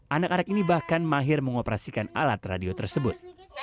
anak anak ini bahkan mahir mengoperasikan alat radio tersebut